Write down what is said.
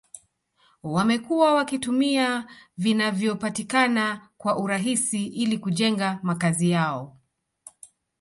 wamekuwa wakitumia vinavyopatikana kwa urahisi ili kujenga makazi yao